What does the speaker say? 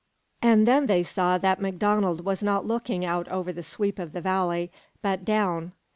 And then they saw that MacDonald was not looking out over the sweep of the valley, but down.